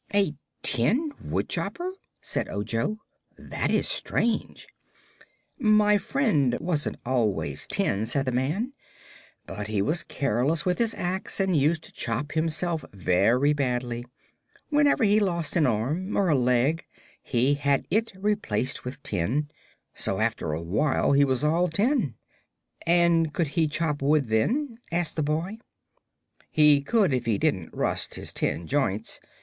"A tin woodchopper?" said Ojo. "That is strange." "My friend wasn't always tin," said the man, "but he was careless with his axe, and used to chop himself very badly. Whenever he lost an arm or a leg he had it replaced with tin; so after a while he was all tin." "And could he chop wood then?" asked the boy. "He could if he didn't rust his tin joints.